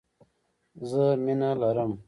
زه مينه لرم